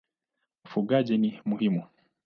Ufugaji ni muhimu.